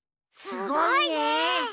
すごいね！